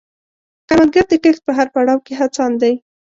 کروندګر د کښت په هر پړاو کې هڅاند دی